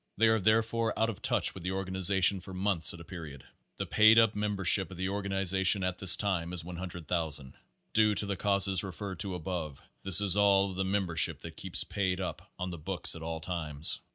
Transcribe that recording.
They are therefore out of touch with the organization for months at a period. The paid up membership of the organization at this time is 100,000. Due to the causes referred to above, this is all of the membership that keeps paid up on the books at all times.